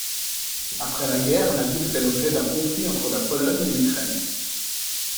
Après la guerre, la ville fait l'objet d'un conflit entre la Pologne et l'Ukraine.